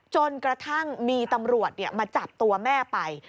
จนกระทั่งมีตำรวจมาจับตัวแม่ไป